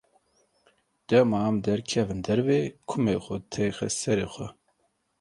Dema em derkevin derve kumê xwe têxe serê xwe.